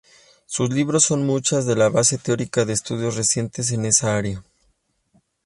Sus libros son mucha de la base teórica de estudios recientes en esa área.